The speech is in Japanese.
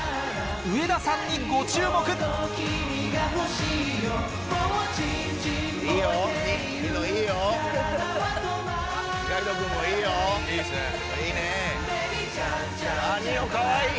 上田さんにご注目ニノかわいい